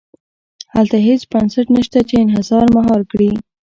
هلته هېڅ بنسټ نه شته چې انحصار مهار کړي.